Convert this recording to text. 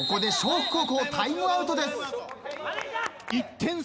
北高校タイムアウトです。